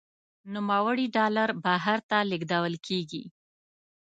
نوموړي ډالر بهر ته لیږدول کیږي.